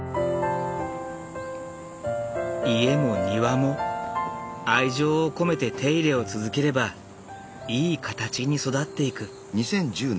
家も庭も愛情を込めて手入れを続ければいい形に育っていく。